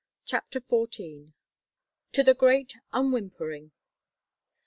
CHAPTER XIV "TO THE GREAT UNWHIMPERING!"